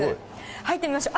入ってみましょう。